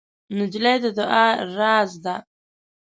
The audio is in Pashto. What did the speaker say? نجلۍ د دعا راز ده.